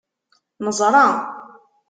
Neẓṛa.